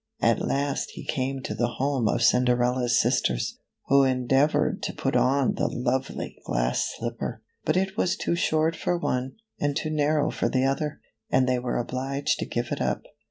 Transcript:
At last he came to the home of Cinderella's sisters, who endeavored to put on the lovely glass slipper ! But it was too short for one, and too narrow for the other, and they were obliged to give it up.